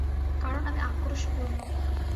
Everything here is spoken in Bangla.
কারন আমি আক্রোশপূর্ণ।